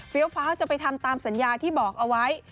ฟ้าจะไปทำตามสัญญาที่บอกเอาไว้